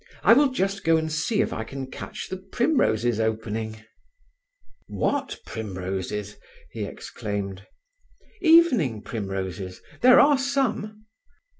I will just go and see if I can catch the primroses opening." "What primroses?" he exclaimed. "Evening primroses—there are some."